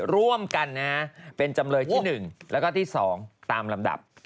ร่วมกันนะฮะเป็นจำเลยที่๑แล้วก็ที่๒ตามลำดับ